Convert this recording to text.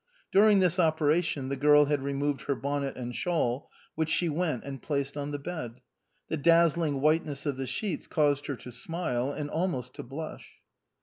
During this operation the girl had removed her bonnet and shawl, which she went and placed on the bed. The dazzling whiteness of the sheets caused her to smile, and almost to blush.